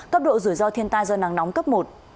cấp độ rủi ro thiên tai do nắng nóng cấp một